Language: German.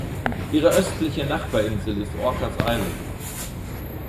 Ihre östliche Nachbarinsel ist Orcas Island.